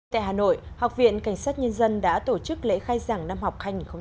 tại hà nội học viện cảnh sát nhân dân đã tổ chức lễ khai giảng năm học hai nghìn hai mươi hai nghìn hai mươi